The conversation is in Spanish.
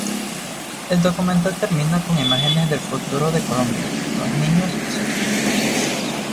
El documental termina con imágenes del futuro de Colombia: Los niños y sus costumbres.